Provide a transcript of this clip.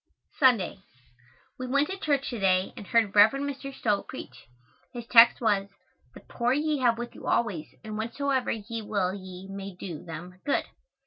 Sunday. We went to church to day and heard Rev. Mr. Stowe preach. His text was, "The poor ye have with you always and whensoever ye will ye may do them good."